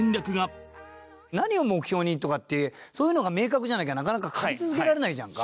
何を目標にとかってそういうのが明確じゃなきゃなかなか描き続けられないじゃんか。